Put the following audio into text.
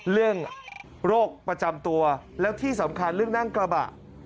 โรคประจำตัวแล้วที่สำคัญเรื่องนั่งกระบะ